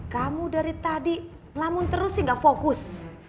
kamu dari tadi namun terus sih gak fokus